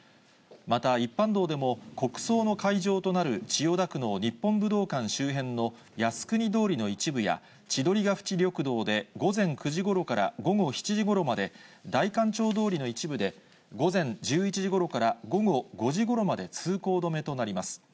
また一般道でも、国葬の会場となる千代田区の日本武道館周辺の靖国通りの一部や、千鳥ヶ淵緑道で午前９時ごろから午後７時ごろまで、代官町通りの一部で、午前１１時ごろから午後５時ごろまで通行止めとなります。